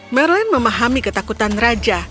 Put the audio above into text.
merlin memahami ketakutan raja